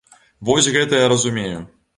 Вось гэта я разумею.